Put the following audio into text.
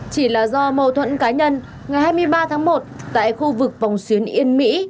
chỉ là do mâu thuẫn cá nhân ngày hai mươi ba tháng một tại khu vực vòng xuyến yên mỹ